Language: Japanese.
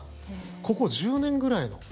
ここ１０年ぐらいの。